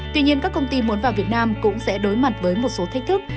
tuy nhiên các công ty muốn vào việt nam cũng sẽ đối mặt với một số thách thức